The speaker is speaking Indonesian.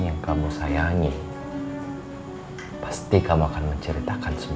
yang kamu sayangi pasti kamu akan menceritakan semua